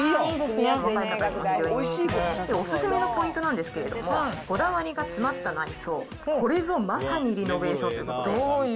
若い人に人気で、お勧めのポイントなんですけども、こだわりが詰まった内装、これぞまさにリノベーションということで。